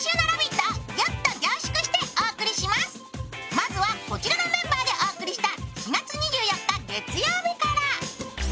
まずはこちらのメンバーでお送りした月曜日です。